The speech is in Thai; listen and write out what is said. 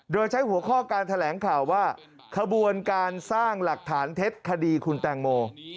โดยใช้หัวข้อการแถลงข่าวว่าขบวนการสร้างหลักฐานเท็จคดีคุณแตงโม